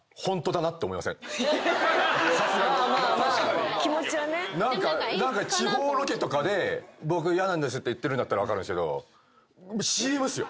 まあまあまあ気持ちはね。地方ロケとかで僕嫌なんですって言ってるんだったら分かるんですけどＣＭですよ？